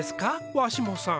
わしもさん。